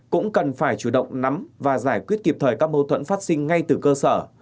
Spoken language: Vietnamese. cũng cần phải chủ động nắm và giải quyết kịp thời các mâu thuẫn phát sinh ngay từ cơ sở